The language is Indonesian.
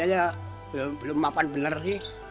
anak itu juga kurang